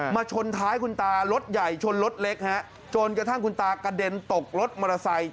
ชนท้ายคุณตารถใหญ่ชนรถเล็กฮะจนกระทั่งคุณตากระเด็นตกรถมอเตอร์ไซค